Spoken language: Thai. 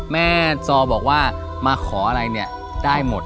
แม่ซอบอกว่ามาขออะไรเนี่ยได้หมด